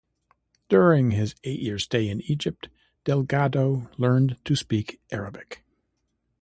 During his eight-year stay in Egypt, Delgado learned to speak Arabic.